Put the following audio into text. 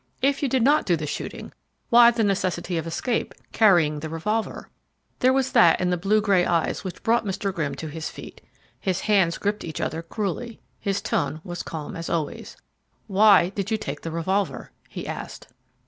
If you did not do the shooting, why the necessity of escape, carrying the revolver?" There was that in the blue gray eyes which brought Mr. Grimm to his feet. His hands gripped each other cruelly; his tone was calm as always. "Why did you take the revolver?" he asked.